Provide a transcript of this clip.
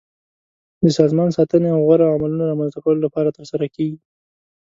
د سازمان ساتنې او غوره عملونو رامنځته کولو لپاره ترسره کیږي.